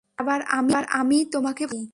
আবার আমিই তোমাকে ভালোবাসি!